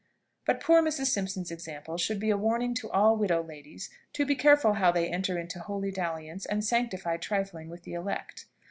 But poor Mrs. Simpson's example should be a warning to all widow ladies to be careful how they enter into holy dalliance and sanctified trifling with the elect.